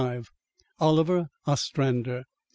OLIVER OSTRANDER.